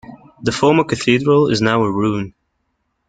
The former cathedral is now a ruin.